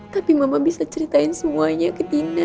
tapi mama bisa ceritain semuanya ke tina